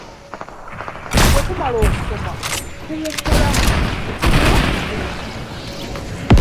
Bwetumala okusoma tuwummulamu natunywa ku buugi.